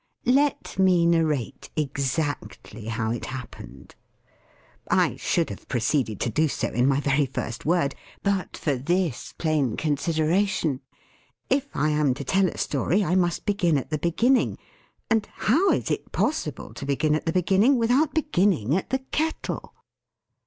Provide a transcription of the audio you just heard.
Let me narrate exactly how it happened. I should have proceeded to do so, in my very first word, but for this plain consideration if I am to tell a story I must begin at the beginning; and how is it possible to begin at the beginning, without beginning at the Kettle?